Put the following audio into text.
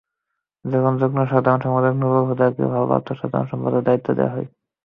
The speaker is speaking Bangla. তখন যুগ্ম সম্পাদক নুরুল হুদাকে ভারপ্রাপ্ত সাধারণ সম্পাদকের দায়িত্ব দেওয়া হয়।